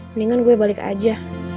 mendingan gue balik aja